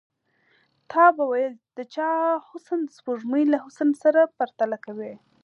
تا به ويل د چا حسن د سپوږمۍ له حسن سره پرتله کوي.